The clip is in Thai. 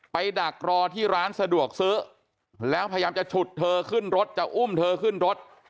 ดักรอที่ร้านสะดวกซื้อแล้วพยายามจะฉุดเธอขึ้นรถจะอุ้มเธอขึ้นรถ